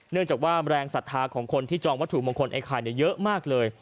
เนื่องจากว่าแรงศรัทธาของคนที่จองวัตถุมงคลไอ้ไข่เยอะมากเลย